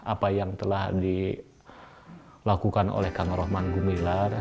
apa yang telah dilakukan oleh kang rohman gumilar